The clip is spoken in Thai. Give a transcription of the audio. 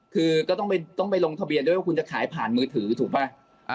คือก็ต้องไปลงทะเบียนด้วยว่าคุณจะขายผ่านมือถือถูกป่ะ